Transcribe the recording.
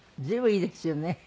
随分いいですよね。